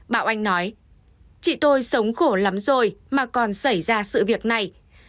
bảo anh nói chị tôi sống khổ lắm rồi mà còn xảy ra sự việc này